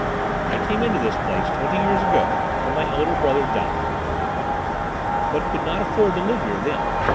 "I came into this place twenty years ago when my elder brother died," he continued, "but could not afford to live here then.